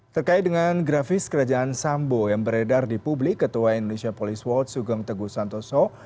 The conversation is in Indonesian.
terkait dengan grafis kerajaan sambo yang beredar di publik ketua indonesia police world sugeng teguh santoso